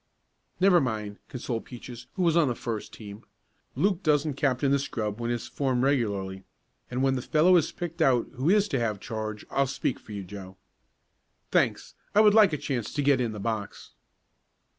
"Never mind," consoled Peaches, who was on the first team. "Luke doesn't captain the scrub when it's formed regularly, and when the fellow is picked out who is to have charge I'll speak for you, Joe." "Thanks. I would like a chance to get in the box."